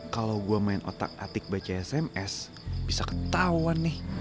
kalau gue main otak atik baca sms bisa ketahuan nih